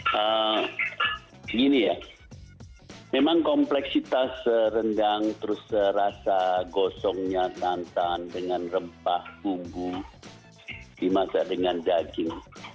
begini ya memang kompleksitas rendang terus rasa gosongnya santan dengan rempah bumbu dimasak dengan daging